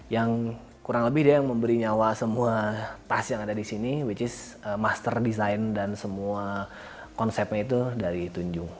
yang kurang lebih dia yang memberi nyawa semua tas yang ada di sini which is master design dan semua konsepnya itu dari tunjung